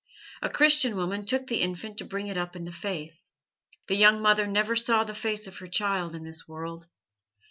A Christian woman took the infant to bring it up in the Faith. The young mother never saw the face of her child in this world.